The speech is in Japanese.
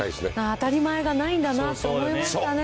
当たり前がないんだなと思いましたね。